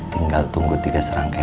tinggal tunggu tiga serangkai